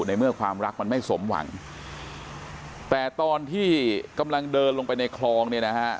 ในเมื่อความรักมันไม่สมหวังแต่ตอนที่กำลังเดินลงไปในคลองเนี่ยนะฮะ